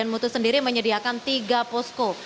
dan dilem muto sendiri menyediakan tiga posko